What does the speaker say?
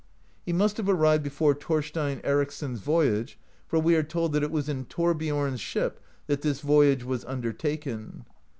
He must have arrived before Thorstein Ericsson's voy age, for we are told that it was in Thorbiorn's ship that this voyage was undertaken.